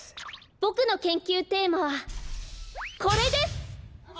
ボクの研究テーマはこれです！